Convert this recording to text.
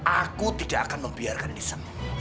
aku tidak akan membiarkan isimmu